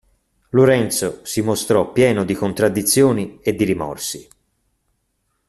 Lorenzo si mostrò pieno di contraddizioni e di rimorsi.